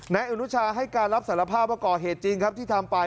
นายอนุชาให้การรับสารภาพว่าก่อเหตุจริงครับที่ทำไป